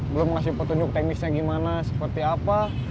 belum ngasih petunjuk teknisnya gimana seperti apa